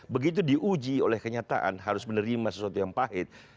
begitu diuji oleh kenyataan harus menerima sesuatu yang pahit